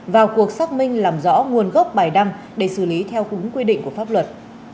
vào cuộc xác minh làm rõ nguồn gốc bài đăng để xử lý theo đúng quy định của pháp luật